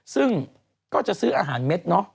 ซึ่งก็จะซื้ออาหารเม็ดเนาะ